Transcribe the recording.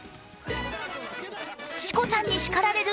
「チコちゃんに叱られる！